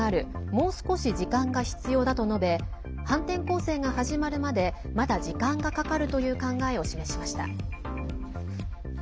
もう少し時間が必要だと述べ反転攻勢が始まるまでまだ時間がかかるという考えを示しました。